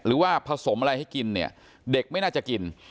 หรือว่าผสมอะไรให้กินเนี่ยเด็กไม่น่าจะกิน